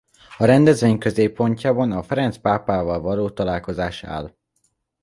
A rendezvény középpontjában a Ferenc pápával való találkozás áll.